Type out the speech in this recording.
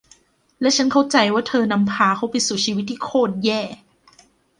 และฉันเข้าใจว่าเธอนำพาเขาไปสู่ชีวิตที่โครตแย่